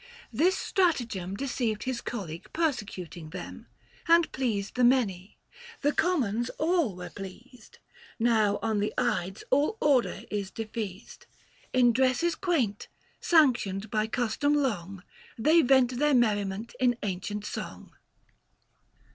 This stratagem Deceived his colleague persecuting them, [835 And pleased the many — the Commons all were pleased. Now on the Ides all order is defeased ; In dresses quaint, sanctioned by custom long, They vent their merriment in ancient song."